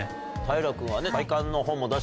平君はね。